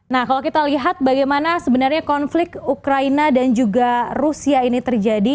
nah kalau kita lihat bagaimana sebenarnya konflik ukraina dan juga rusia ini terjadi